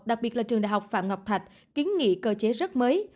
đặc biệt là trường đại học phạm ngọc thạch kiến nghị cơ chế rất mới